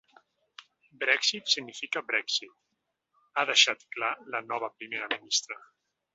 “Brexit significa Brexit”, ha deixat clar la nova primera ministra.